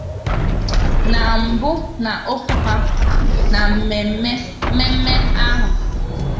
Na mbụ n'okwu ya na mmemme ahụ